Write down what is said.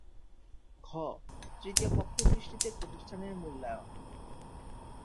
ঘ. তৃতীয় পক্ষের দৃষ্টিতে প্রতিষ্ঠানের মূল্যায়ন